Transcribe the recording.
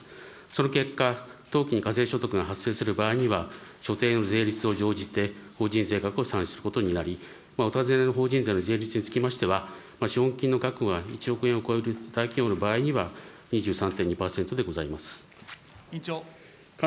その結果、投機に課税所得が発生する場合には、所定の税率を乗じて、法人税額を算出することになり、お尋ねの法人税の税率につきましては、資本金の額が１億円を超える大企業の場合には、２３．２％でござ議長。